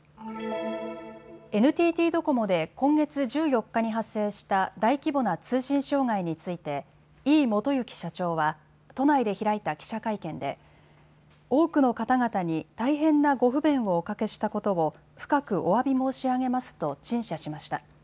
ＮＴＴドコモで今月１４日に発生した大規模な通信障害について井伊基之社長は都内で開いた記者会見で多くの方々に大変なご不便をおかけしたことを深くおわび申し上げますと陳謝しました。